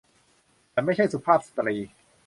ฉันไม่ใช่สุภาพสตรี